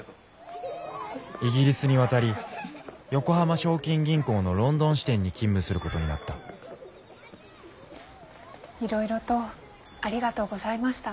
イギリスに渡り横浜正金銀行のロンドン支店に勤務することになったいろいろとありがとうございました。